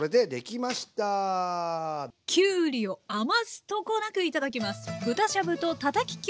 きゅうりを余すとこなく頂きます！